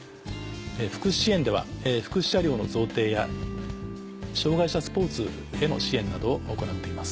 福祉支援では福祉車両の贈呈や障害者スポーツへの支援などを行っています。